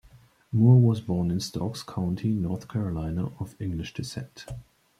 Moore was born in Stokes County, North Carolina of English descent.